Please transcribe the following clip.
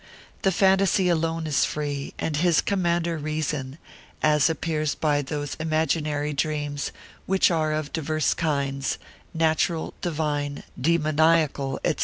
The phantasy alone is free, and his commander reason: as appears by those imaginary dreams, which are of divers kinds, natural, divine, demoniacal, &c.